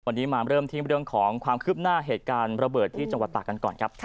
วันนี้มาเริ่มที่เรื่องของความคืบหน้าเหตุการณ์ระเบิดที่จังหวัดตากกันก่อนครับ